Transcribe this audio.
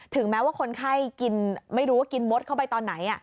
แม้ว่าคนไข้กินไม่รู้ว่ากินมดเข้าไปตอนไหน